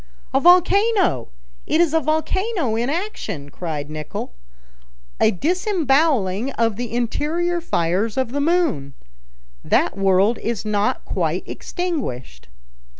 "A volcano! it is a volcano in action!" cried Nicholl; "a disemboweling of the interior fires of the moon! That world is not quite extinguished."